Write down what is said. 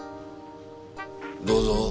どうぞ。